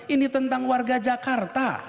ini tentang warga jakarta